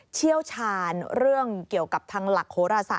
เชี่ยวชาญเรื่องเกี่ยวกับทางหลักโหรศาส